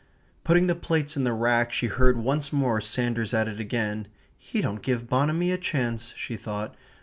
Putting the plates in the rack she heard once more Sanders at it again ("He don't give Bonamy a chance," she thought).